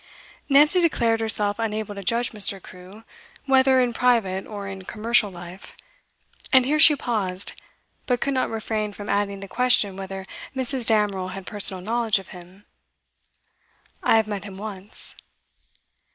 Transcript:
Nancy declared herself unable to judge Mr. Crewe, whether in private or in commercial life. And here she paused, but could not refrain from adding the question whether Mrs. Damerel had personal knowledge of him. 'I have met him once.